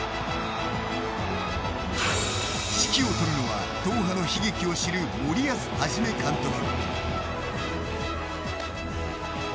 指揮を執るのはドーハの悲劇を知る森保一監督。